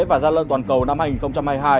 và gia lợi toàn cầu năm hai nghìn hai mươi hai